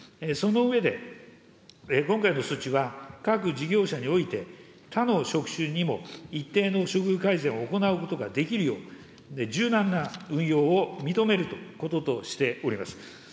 その上で、今回の措置は、各事業者において、他の職種にも一定の処遇改善を行うことができるよう、柔軟な運用を認めることとしております。